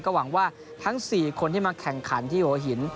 ก็หวังว่าทั้งสี่คนที่มาแข่งขันฯที่โหหิน